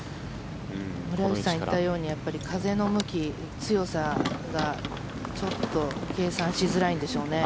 村口さんが言ったように風の向き、強さがちょっと計算しづらいんでしょうね。